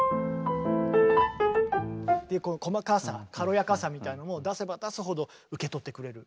この細かさ軽やかさみたいなのも出せば出すほど受け取ってくれる。